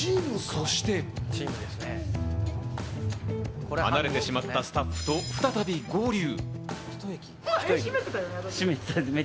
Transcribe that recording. そして離れてしまったスタッフと再び合流。